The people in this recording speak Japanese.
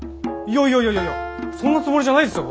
いやいやいやそんなつもりじゃないですよ